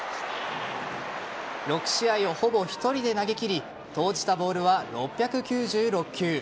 ６試合をほぼ１人で投げ切り投じたボールは６９６球。